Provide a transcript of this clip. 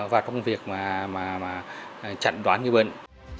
và trong việc chặn đoán người bệnh